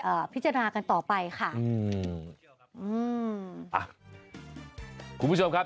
พิจารณากันต่อไปค่ะอืมอ่ะคุณผู้ชมครับ